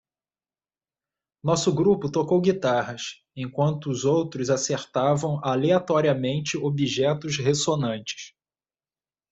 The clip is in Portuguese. Nosso grupo tocou guitarras enquanto os outros acertavam aleatoriamente objetos ressonantes.